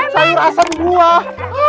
sayur asam buah